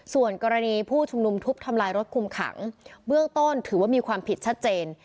ส่วนกรณีผู้ชุมนุมทุบทำลายรถคุมขังเบื้องต้นถือว่ามีความผิดชัดเจน